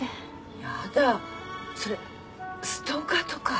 それストーカーとか。